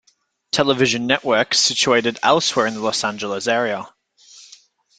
Television Network situated elsewhere in the Los Angeles area.